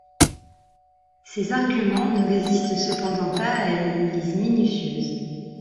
Ces arguments ne résistent cependant pas à une analyse minutieuse.